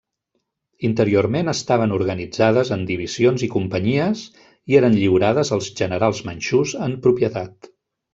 Interiorment estaven organitzades en divisions i companyies i eren lliurades als generals manxús en propietat.